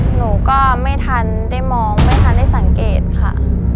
หนูก็ไม่ทันได้มองไม่ทันได้สังเกตค่ะ